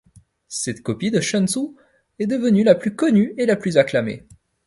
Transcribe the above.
Cette copie de Shen Zhou est devenue la plus connue et la plus acclamée.